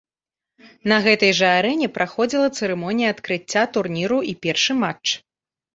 На гэтай жа арэне праходзіла цырымонія адкрыцця турніру і першы матч.